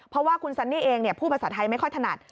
เพราะว่าคุณซันนี่เองพูดภาษาไทยไม่ค่อยถนัด